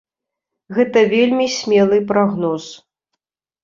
Гэта вельмі смелы прагноз.